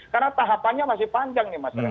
karena tahapannya masih panjang nih mas